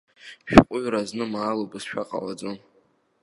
Шәҟәҩыра знымаало бызшәа ҟалаӡом!